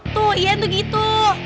tuh ian tuh gitu